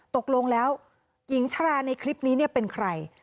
ตกลงแล้วหญิงชราในคลิปนี้เป็นใคร